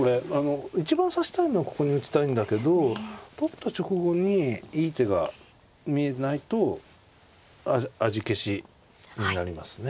一番指したいのはここに打ちたいんだけど取った直後にいい手が見えないと味消しになりますね。